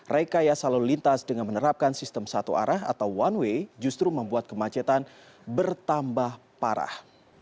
rekayasa lalu lintas dengan menerapkan sistem satu arah atau one way justru membuat kemacetan bertambah parah